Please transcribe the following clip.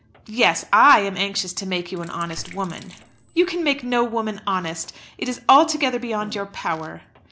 "Yes; I am anxious to make you an honest woman." "You can make no woman honest. It is altogether beyond your power."